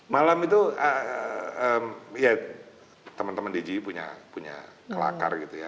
malam itu ya teman teman dji punya kelakar gitu ya